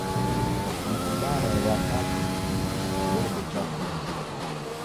Ni ibara ya tatu kifungu kidogo cha kwanza